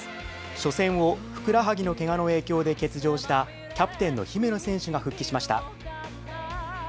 初戦をふくらはぎのけがの影響で欠場したキャプテンの姫野選手が復帰しました。